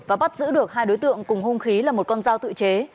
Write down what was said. và bắt giữ được hai đối tượng cùng hung khí là một con dao tự chế